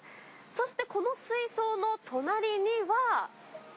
そしてこの水槽の隣には。